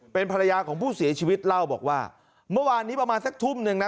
เป็นภรรยาของผู้เสียชีวิตเล่าบอกว่าเมื่อวานนี้ประมาณสักทุ่มหนึ่งนะ